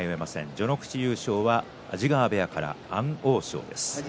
序ノ口優勝は安治川部屋から安大翔です。